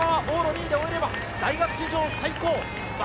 往路２位で終えれば大学史上最高。